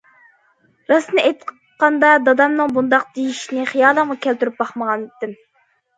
راستىنى ئېيتقاندا دادامنىڭ مۇنداق دېيىشىنى خىيالىمغا كەلتۈرۈپ باقمىغانىدىم.